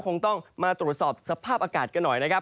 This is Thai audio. คงต้องมาตรวจสอบสภาพอากาศกันหน่อยนะครับ